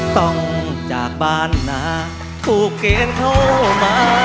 ต้องจากบ้านนาถูกเกณฑ์เข้ามา